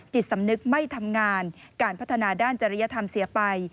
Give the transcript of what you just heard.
จิตสำนึกไม่ทำงานการพัฒนาด้านจริยธรรมเสียไป